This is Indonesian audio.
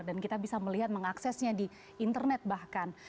dan kita bisa melihat mengaksesnya di internet bahkan